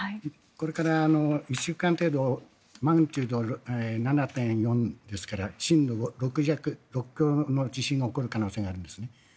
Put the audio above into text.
これから１週間程度マグニチュード７．４ですから震度６強、６弱の地震が起きる可能性があるんですね。